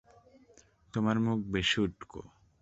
তোমার মুখ বেশি উটকো।